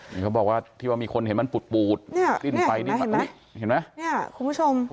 เขาบอกว่าที่ว่ามีคนเห็นมันปูดดิ้นไปนี่คุณผู้ชม